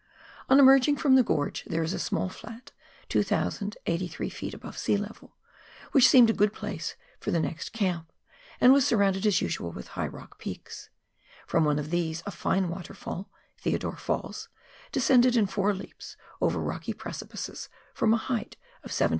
On emerging from the gorge there is a small flat 2,083 ft. above sea level, which seemed a good place for the next camp, and was surrounded as usual with high rock peaks ; from one of these a fine waterfall (Theodore Falls) descended in four leaps over rocky precipices fi om a height of 1,700 ft.